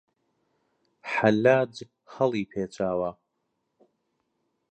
حەلاج هەڵی پێچاوە